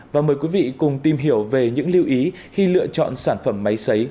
và mời quý vị cùng tìm hiểu về những lưu ý khi lựa chọn sản phẩm máy xấy